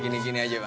gini gini aja bang